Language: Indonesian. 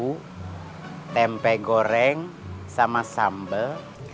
basa' pakein tahu tempe goreng sama sambal